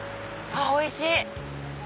あおいしい！